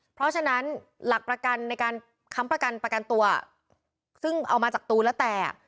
เพราะฉะนั้นหลักประกันในการค้ำประกันประกันตัวซึ่งเอามาจากตูนแล้วแต่